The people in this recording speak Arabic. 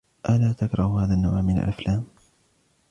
ألا تكره هذا النوع من الأفلام ؟